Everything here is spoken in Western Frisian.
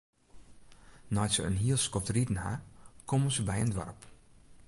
Nei't se in hiel skoft riden ha, komme se by in doarp.